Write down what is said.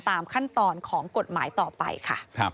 ตามขั้นตอนของกฎหมายต่อไปค่ะ